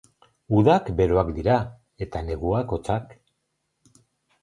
Udak beroak dira, eta neguak hotzak.